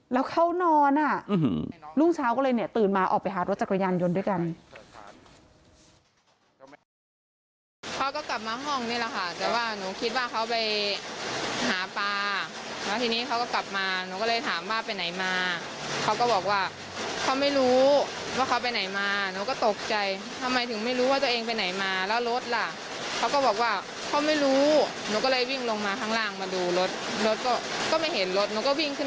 รุ่งเช้าก็เลยตื่นมาออกไปหารถจักรยานยนต์ด้วยกัน